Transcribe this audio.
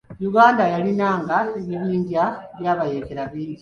Uganda yalinanga ebibinja by'abayekera bingi.